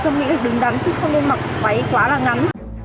chứ không nên mặc váy quá là ngắn